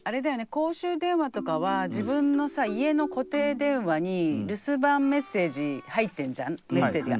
公衆電話とかは自分のさ家の固定電話に留守番メッセージ入ってんじゃんメッセージが。